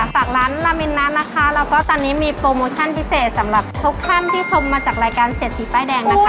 ฝากร้านลามินนั้นนะคะแล้วก็ตอนนี้มีโปรโมชั่นพิเศษสำหรับทุกท่านที่ชมมาจากรายการเศรษฐีป้ายแดงนะคะ